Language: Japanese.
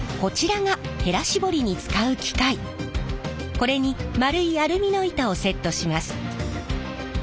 これに円いアルミの板をセットします。